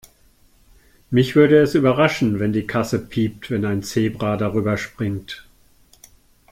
Mich würde es überraschen, wenn die Kasse piept, wenn ein Zebra darüberspringt.